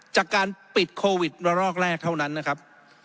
จากการปิดโควิดระลอกแรกเท่านั้นนะครับ